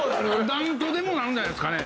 なんとでもなるんじゃないですかね。